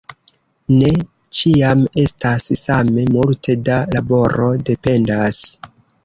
Ne ĉiam estas same multe da laboro; dependas.